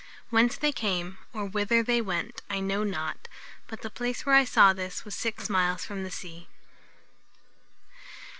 Whence they came or whither they went, I know not; but the place where I saw this, was six miles from the sea."